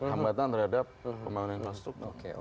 hambatan terhadap pembangunan infrastruktur